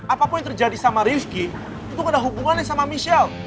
apapun yang terjadi sama rivki itu gak ada hubungannya sama micelle